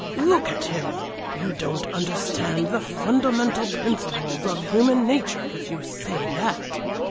"Look at him! You don't understand the fundamental principles of human nature if you say that.